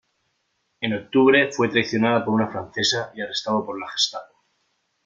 En octubre fue traicionada por una francesa y arrestada por la Gestapo.